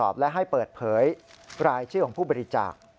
และให้เปิดเผยรายชื่อของผู้บริจาค